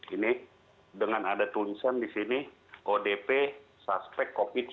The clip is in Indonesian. ini dengan ada tulisan di sini odp suspek covid sembilan belas